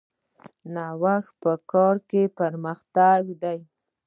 نوښت په کار کې پرمختګ دی